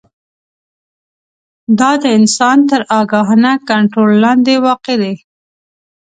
دا د انسان تر آګاهانه کنټرول لاندې واقع دي.